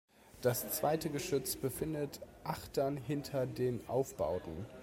Das zweite Geschütz befindet achtern hinter den Aufbauten.